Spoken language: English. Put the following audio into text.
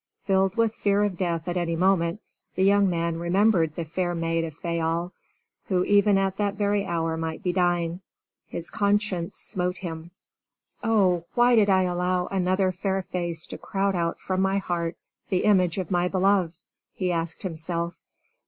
Filled with fear of death at any moment, the young man remembered the fair maid of Fayal who even at that very hour might be dying. His conscience smote him. "Oh, why did I allow another fair face to crowd out from my heart the image of my beloved?" he asked himself.